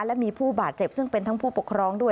และมีผู้บาดเจ็บซึ่งเป็นทั้งผู้ปกครองด้วย